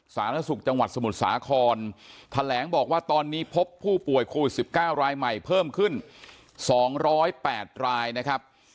สาธารณสุขจังหวัดสมุทรสาครแถลงบอกว่าตอนนี้พบผู้ป่วยโควิด๑๙รายใหม่เพิ่มขึ้น๒๐๘รายนะครับ